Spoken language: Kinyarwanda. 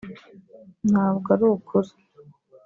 …ntabwo ari ukuri